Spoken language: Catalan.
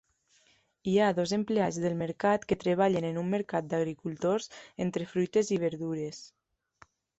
Hi ha dos empleats del mercat que treballen en un mercat d'agricultors entre fruites i verdures.